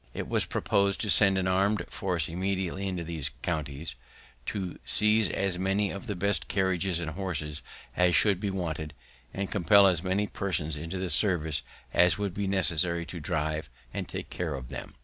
"It was proposed to send an armed force immediately into these counties, to seize as many of the best carriages and horses as should be wanted, and compel as many persons into the service as would be necessary to drive and take care of them.